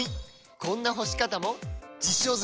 こんな干し方も実証済！